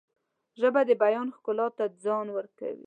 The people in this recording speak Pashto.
ژبه د بیان ښکلا ته جان ورکوي